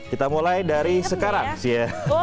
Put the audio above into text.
kita mulai dari sekarang sih ya